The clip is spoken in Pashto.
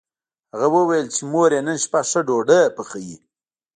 هغه وویل چې مور یې نن شپه ښه ډوډۍ پخوي